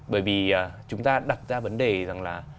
bởi vì chúng ta đặt ra vấn đề rằng là